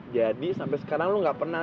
jadi sampai sekarang lo enggak pernah